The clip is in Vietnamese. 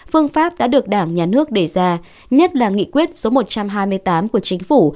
phương pháp đã được đảng nhà nước đề ra nhất là nghị quyết số một trăm hai mươi tám của chính phủ